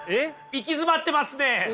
行き詰まってますね。